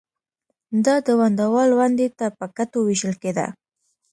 دا د ونډه وال ونډې ته په کتو وېشل کېده